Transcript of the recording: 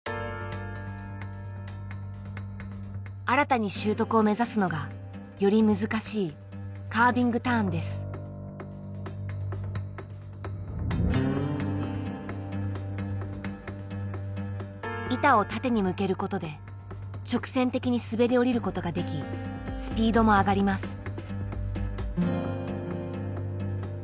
新たに習得を目指すのがより難しい板を縦に向けることで直線的に滑り降りることができスピードも上がります。